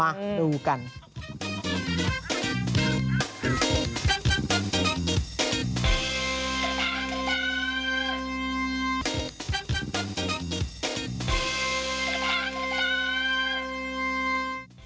ถ้างานคู่ครึ่งล้านจริงหรือเปล่ามาดูกัน